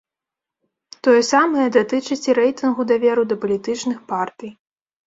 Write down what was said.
Тое самае датычыць і рэйтынгу даверу да палітычных партый.